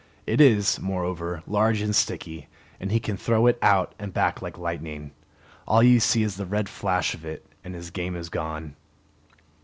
It is, moreover, large and sticky, and he can throw it out and back like lightning. All you see is the red flash of it, and his game is gone.